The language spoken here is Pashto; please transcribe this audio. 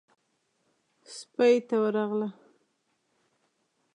سپۍ ته ورغله.